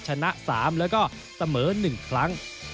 ชนะ๓แล้วก็เสมอ๑ครั้ง